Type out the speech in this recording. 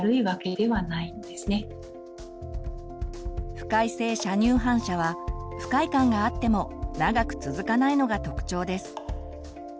不快性射乳反射は不快感があっても長く続かないのが特徴です。